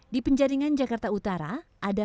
di penjaringan jakarta utara ada